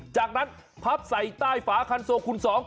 จากนั้นพับใส่ใต้ฝาคันโซคูณ๒